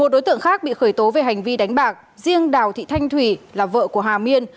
một đối tượng khác bị khởi tố về hành vi đánh bạc riêng đào thị thanh thủy là vợ của hà miên